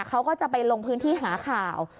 เขาก็จะไปลงพื้นที่หาข่าว